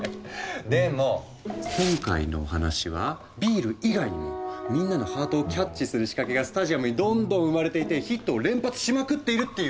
でも今回のお話はビール以外にもみんなのハートをキャッチする仕掛けがスタジアムにどんどん生まれていてヒットを連発しまくっているっていう。